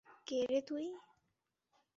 কে রে তুই?